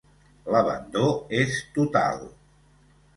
L'abandó és total.